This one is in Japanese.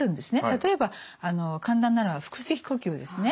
例えば簡単なのは腹式呼吸ですね。